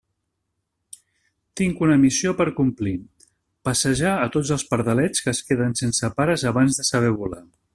Tinc una missió per a complir: passejar a tots els pardalets que es queden sense pares abans de saber volar.